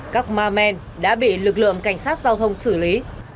các ma men đã bị lực lượng cảnh sát giao thông xử lý